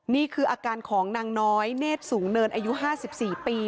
นี่คืออาการของนางน้อยเนธสูงเนินอายุ๕๔ปี